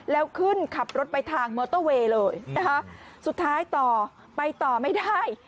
แล้วขึ้นขับรถไปทางมอเตอร์เวย์เลยนะคะสุดท้ายต่อไปต่อไม่ได้